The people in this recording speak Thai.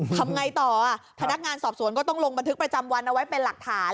ทำไงต่อพนักงานสอบสวนก็ต้องลงบันทึกประจำวันเอาไว้เป็นหลักฐาน